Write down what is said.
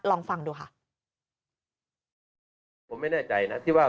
ลองฟังดูค่ะ